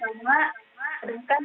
kami menyeberang ke hutan